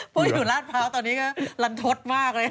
พูดอยู่ราชพร้าวตอนนี้ก็ลันทศมากเลยค่ะ